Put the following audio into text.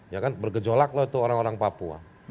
ya kan bergejolak loh itu orang orang papua